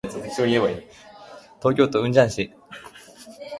東京都雲雀市